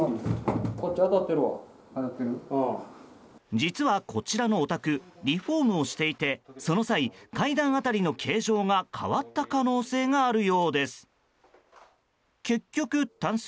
実はこちらのお宅リフォームをしていてその際、階段辺りの形状が変わった可能性があるようです。